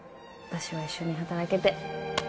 私は一緒に働けて